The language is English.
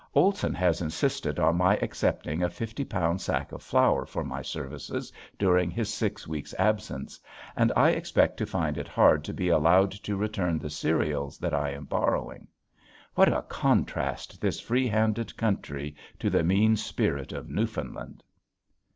Olson has insisted on my accepting a fifty pound sack of flour for my services during his six weeks' absence, and I expect to find it hard to be allowed to return the cereals that I am borrowing. What a contrast this free handed country to the mean spirit of Newfoundland!